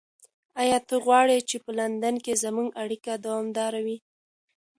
ایا ته غواړې چې په لندن کې زموږ اړیکه دوامداره وي؟